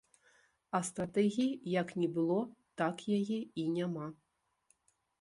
А стратэгіі як не было, так яе і няма.